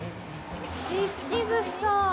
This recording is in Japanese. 錦寿司さん。